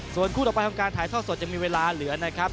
ส่วนคู่ต่อไปของการถ่ายทอดสดจะมีเวลาเหลือนะครับ